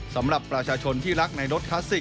สำหรับประชาชนที่รักในรถ